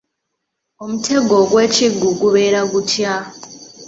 Omutego ogwekigu gubeera gutya?